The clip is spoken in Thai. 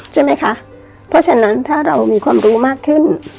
ใช่ไหมคะเพราะฉะนั้นถ้าเรามีความรู้มากขึ้น